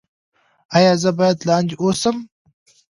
ایا زه باید لاندې اوسم؟